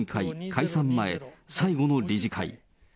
解散前、最後の理事会。